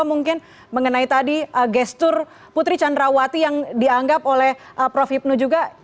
mungkin mengenai tadi gestur putri candrawati yang dianggap oleh prof hipnu juga